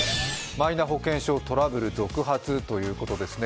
マイナ保険証トラブル続発ということですね。